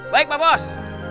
baik pak bos